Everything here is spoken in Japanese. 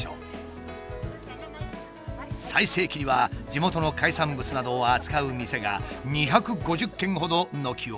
最盛期には地元の海産物などを扱う店が２５０軒ほど軒を連ねた。